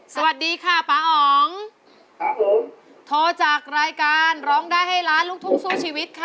สวัสดีค่ะป๊าอ๋องครับผมโทรจากรายการร้องได้ให้ล้านลูกทุ่งสู้ชีวิตค่ะ